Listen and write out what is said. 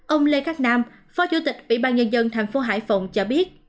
ông lê khắc nam phó chủ tịch ủy ban nhân dân tp hải phòng cho biết